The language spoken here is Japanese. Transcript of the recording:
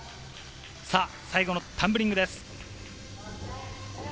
最後のタンブリングです。